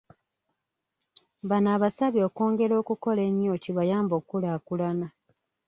Bano abasabye okwongera okukola ennyo kibayambe okukulaakulana.